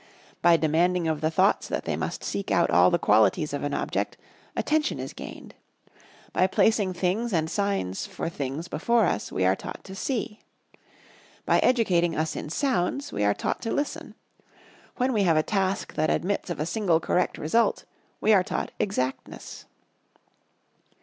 By demanding of the thoughts that they must seek out all the qualities of an object, Attention is gained. By placing things and signs for things before us, we are taught to See. By educating us in sounds, we are taught to Listen. When we have a task that admits of a single correct result, we are taught Exactness.